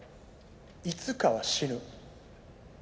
いつかは死ぬ。